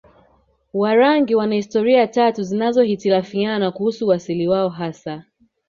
Warangi wana historia tatu zinazohitilafiana kuhusu uasili wao hasa